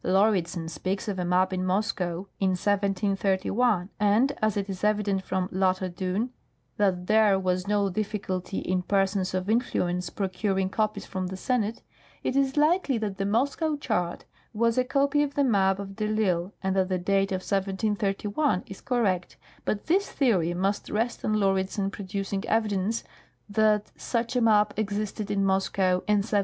Lauridsen speaks of a map in Moscow in 1731, and, as it is evident from " Lettre cl'un " that there was no difficulty in per sons of influence procuring copies from the Senate, it is likely that the Moscow chart was a copy of the map of de I'Isle, and that the date of 1731 is correct ; but this theory must rest on Laurid sen producing evidence that such a map existed in Moscow in 1731.